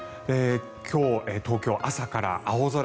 今日、東京は朝から青空。